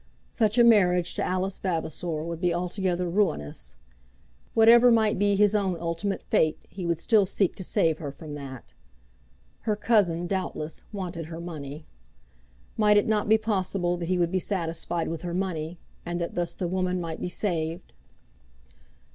Such a marriage to Alice Vavasor would be altogether ruinous. Whatever might be his own ultimate fate he would still seek to save her from that. Her cousin, doubtless, wanted her money. Might it not be possible that he would be satisfied with her money, and that thus the woman might be saved?